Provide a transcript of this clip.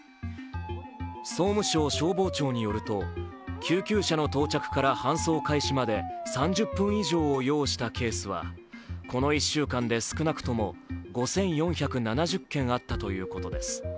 総務省消防庁によると、救急車の到着から搬送開始まで３０分以上を要したケースはこの１週間で少なくとも５４７０件あったということです。